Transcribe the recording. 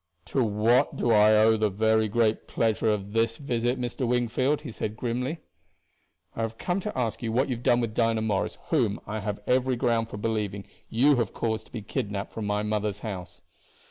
"To what do I owe the very great pleasure of this visit, Mr. Wingfield?" he said grimly. "I have come to ask you what you have done with Dinah Morris, whom, I have every ground for believing, you have caused to be kidnaped from my mother's house."